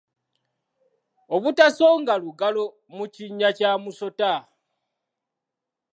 Obutasonga lugalo mu kinnya kya musota.